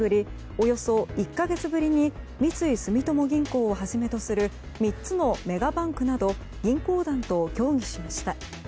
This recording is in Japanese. およそ１か月ぶりに三井住友銀行をはじめとする３つのメガバンクなど銀行団と協議しました。